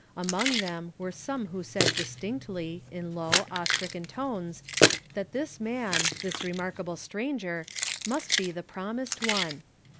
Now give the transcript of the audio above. Among them were some who said distinctly, in low, awe stricken tones, that this man, this remarkable stranger, must be the promised One.